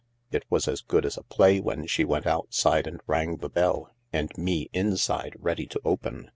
It was as good as a play when she went outside and rang the bell, and me inside, ready to open.